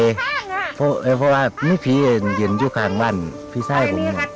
เพราะว่านี่พี่ยังอยู่ข้างบ้านพี่ไส้ผม